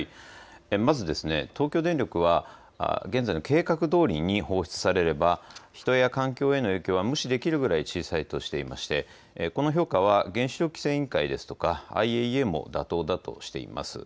まず東京電力は現在の計画どおりに放出されれば人や環境への影響は無視できるくらい小さいとしていましてこの評価は原子力規制委員会ですとかＩＡＥＡも妥当としています。